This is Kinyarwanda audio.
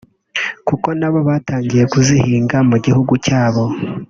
kuko nabo batangiye kuzihinga mu gihugu cyabo